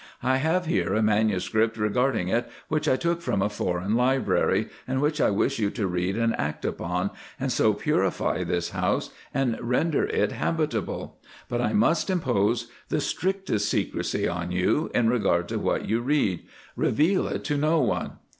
I have here a manuscript regarding it which I took from a foreign library, and which I wish you to read and act upon, and so purify this house and render it habitable, but I must impose the strictest secrecy on you in regard to what you read; reveal it to no one.